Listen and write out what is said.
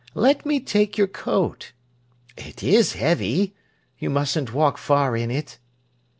"Let me take your coat. It is heavy. You mustn't walk far in it."